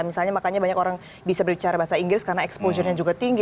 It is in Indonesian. misalnya makanya banyak orang bisa berbicara bahasa inggris karena exposure nya juga tinggi